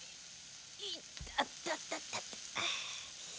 いったたたた。